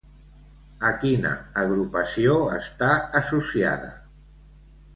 A quina agrupació està associada?